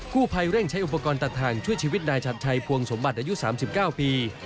ผู้ภัยเร่งใช้อุปกรณ์ตัดทางช่วยชีวิตนายชัดชัยภวงสมบัติอายุ๓๙ปี